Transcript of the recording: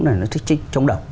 nó thích chống đồng